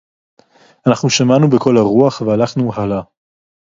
אֲנַחְנוּ שָׁמַעְנוּ בְּקוֹל הָרוּחַ וְהָלַכְנוּ הָלְאָה.